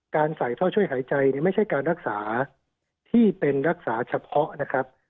ใส่ท่อช่วยหายใจเนี่ยไม่ใช่การรักษาที่เป็นรักษาเฉพาะนะครับ